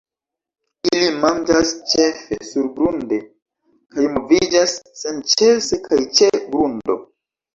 Ili manĝas ĉefe surgrunde, kaj moviĝas senĉese kaj ĉe grundo.